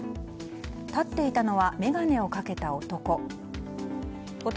立っていたのは眼鏡をかけた男。